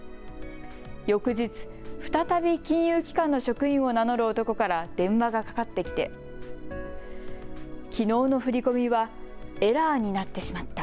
翌日、再び金融機関の職員を名乗る男から電話がかかってきて、きのうの振り込みはエラーになってしまった。